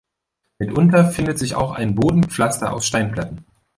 Mitunter findet sich auch ein Bodenpflaster aus Steinplatten.